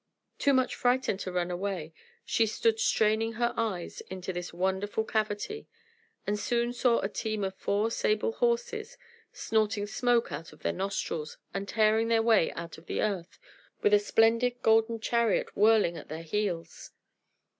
Too much frightened to run away, she stood straining her eyes into this wonderful cavity, and soon saw a team of four sable horses, snorting smoke out of their nostrils, and tearing their way out of the earth with a splendid golden chariot whirling at their heels.